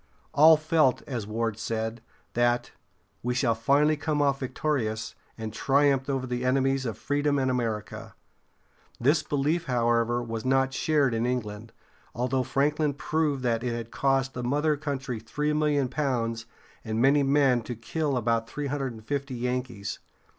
All felt, as Ward said, that "We shall finally come off victorious, and triumph over the enemies of freedom and America." This belief, however, was not shared in England, although Franklin proved that it had cost the mother country three million pounds and many men to kill about three hundred and fifty Yankees.